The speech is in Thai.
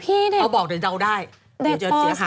พี่เนี่ยเขาบอกเดี๋ยวเราได้เดี๋ยวจะเสียหายกับเด็ก